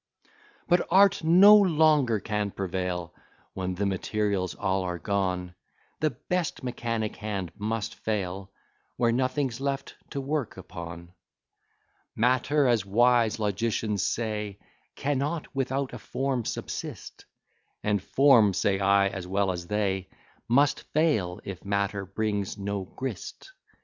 But art no longer can prevail, When the materials all are gone; The best mechanic hand must fail, Where nothing's left to work upon. Matter, as wise logicians say, Cannot without a form subsist; And form, say I, as well as they, Must fail if matter brings no grist.